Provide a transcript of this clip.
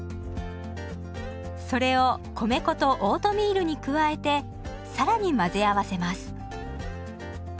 それを米粉とオートミールに加えて更に混ぜ合わせます。